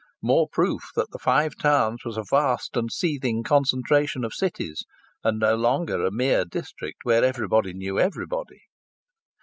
More proof that the Five Towns was a vast and seething concentration of cities, and no longer a mere district where everybody knew everybody!